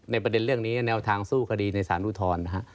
ในประเด็นเรื่องนี้แนวทางสู้คดีในศาลรุธร